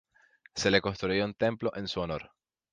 Se le construyó un templo en su honor.